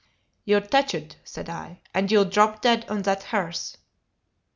"You touch it," said I, "and you'll drop dead on that hearth."